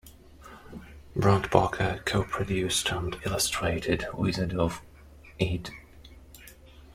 Brant Parker co-produced and illustrated "Wizard of Id".